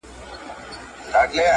سپینه شوې وه